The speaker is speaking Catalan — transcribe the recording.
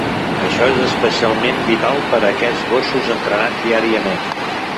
Això és especialment vital per aquells gossos entrenats diàriament.